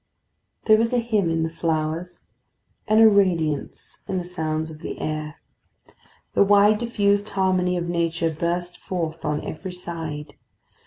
There was a hymn in the flowers, and a radiance in the sounds of the air. The wide diffused harmony of nature burst forth on every side.